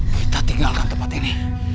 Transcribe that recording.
kita tinggalkan tempat ini